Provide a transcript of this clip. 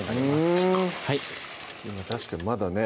うん確かにまだね